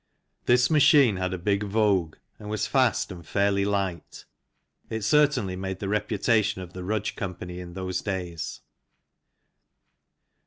This machine had a big vogue and was fast and fairly light. It certainly made the reputation of the Rudge Co. in those days.